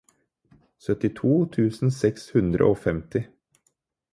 syttito tusen seks hundre og femti